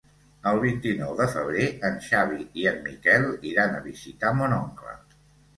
El vint-i-nou de febrer en Xavi i en Miquel iran a visitar mon oncle.